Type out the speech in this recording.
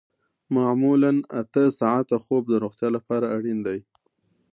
معمولاً اته ساعته خوب د روغتیا لپاره اړین دی